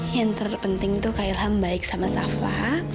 yang terpenting tuh kak ilham baik sama safa